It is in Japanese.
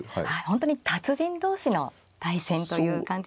本当に達人同士の対戦という感じですよね。